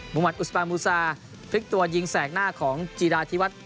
มุมัติอุสปานมูซาพลิกตัวยิงแสกหน้าของจีราธิวัฒน์